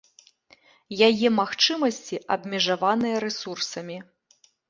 Яе магчымасці абмежаваныя рэсурсамі.